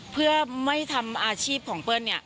เพื่อไม่ทำอาชีพของเปิ้ล